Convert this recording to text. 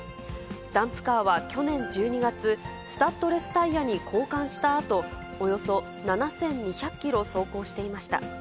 ダンプカーは去年１２月、スタッドレスタイヤに交換したあと、およそ７２００キロ走行していました。